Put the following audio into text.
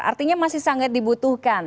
artinya masih sangat dibutuhkan